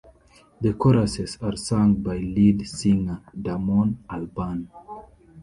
The choruses are sung by lead singer Damon Albarn.